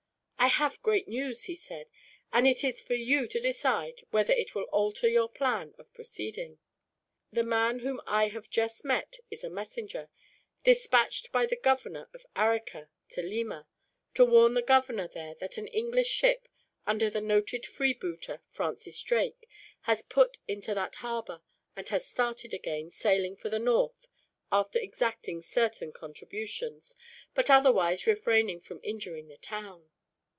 "I have great news," he said, "and it is for you to decide whether it will alter your plan of proceeding. The man whom I have just met is a messenger, dispatched by the governor of Arica to Lima, to warn the governor there that an English ship, under the noted freebooter Francis Drake, has put into that harbor; and has started again, sailing for the north, after exacting certain contributions, but otherwise refraining from injuring the town."